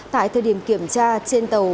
tại thời điểm kiểm tra trên tàu